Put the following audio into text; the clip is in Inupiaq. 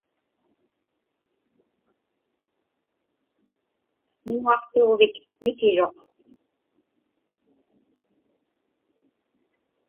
Miŋuaqtuġvik mikiruq.